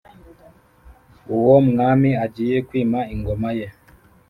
Uwo mwami agiye kwima Ingoma ye